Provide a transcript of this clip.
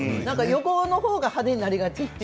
横の方が派手になりがち。